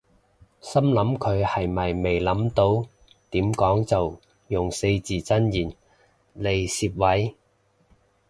心諗佢係咪未諗到點講就用四字真言嚟攝位